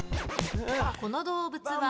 この動物は？